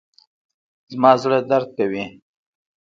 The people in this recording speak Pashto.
زما زړه درد کوي